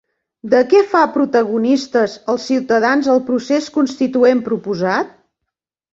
De què fa protagonistes als ciutadans el procés constituent proposat?